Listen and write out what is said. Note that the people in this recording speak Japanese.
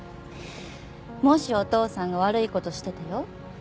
もしお父さんが悪い事しててよ？